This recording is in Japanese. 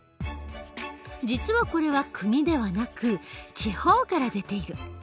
実はこれは国ではなく地方から出ている。